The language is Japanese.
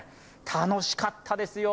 楽しかったですよ。